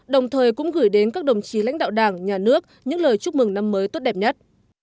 đồng thời cũng gửi đến các đồng chí lãnh đạo đảng nhà nước những lời chúc mừng năm mới tốt đẹp nhất